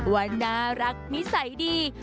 ว่าน่ารักนิสัยดี